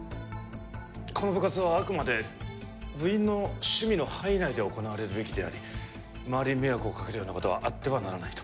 この部活はあくまで部員の趣味の範囲内で行われるべきであり周りに迷惑をかけるような事はあってはならないと。